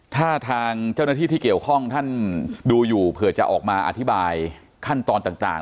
ถ้าทางเจ้าหน้าที่ที่เกี่ยวข้องท่านดูอยู่เผื่อจะออกมาอธิบายขั้นตอนต่าง